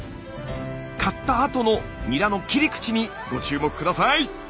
刈ったあとのニラの切り口にご注目下さい！